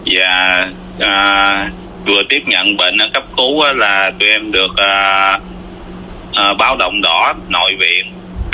và vừa tiếp nhận bệnh cấp cứu là tuyên được báo động đỏ nội viện